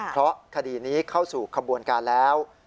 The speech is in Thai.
เพราะคดีนี้เข้าสู่ขบวนการแล้ว